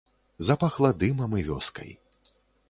Запахла дымам і вёскай.